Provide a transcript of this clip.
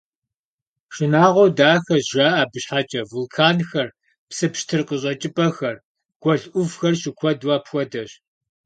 «Шынагъуэу дахэщ» жаӀэ абы щхьэкӀэ: вулканхэр, псы пщтыр къыщӀэкӀыпӀэхэр, гуэл Ӏувхэр щыкуэду апхуэдэщ.